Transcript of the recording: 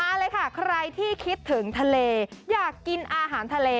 เลยค่ะใครที่คิดถึงทะเลอยากกินอาหารทะเล